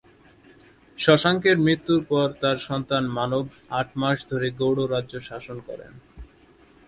শশাঙ্কের মৃত্যুর পর তার সন্তান মানব আট মাস ধরে গৌড় রাজ্য শাসন করেন।